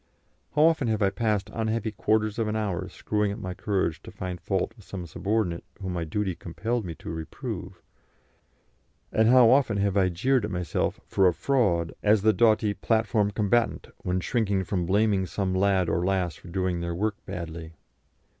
How often have I passed unhappy quarters of an hour screwing up my courage to find fault with some subordinate whom my duty compelled me to reprove, and how often have I jeered at myself for a fraud as the doughty platform combatant, when shrinking from blaming some lad or lass for doing their work badly!